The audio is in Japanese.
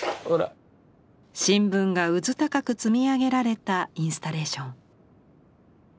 新聞がうずたかく積み上げられたインスタレーション。